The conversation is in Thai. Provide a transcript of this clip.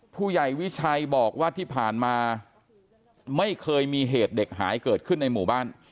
ผู้ใหญ่วิชัยบอกว่าที่ผ่านมาไม่เคยมีเหตุเด็กหายเกิดขึ้นในหมู่บ้าน